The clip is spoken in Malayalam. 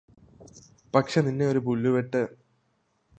പക്ഷെ നിന്നെയൊരു പുല്ലുവെട്ട്